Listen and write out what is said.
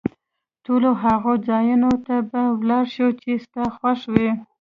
ټولو هغو ځایونو ته به ولاړ شو، چي ستا خوښ وي.